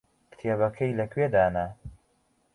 کتێبەکەی لەکوێ دانا؟